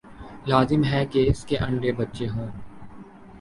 لازم ہے کہ اس کے انڈے بچے ہوں۔